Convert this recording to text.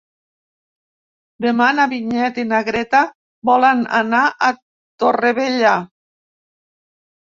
Demà na Vinyet i na Greta volen anar a Torrevella.